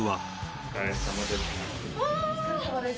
お疲れさまです。